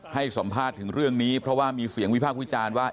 ให้สัมภาษณ์ถึงเรื่องนี้เพราะว่ามีเสียงวิพากษ์วิจารณ์ว่า